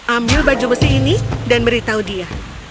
ambil baju besi ini dan beritahu dia